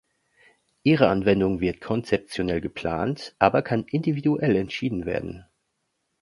Ihre Anwendung wird konzeptionell geplant aber kann individuell entschieden werden.